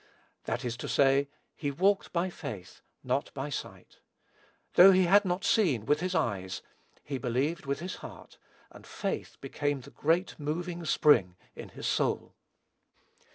That is to say, "he walked by faith, not by sight." Though he had not seen with his eyes, he believed with his heart, and faith became the great moving spring in his soul.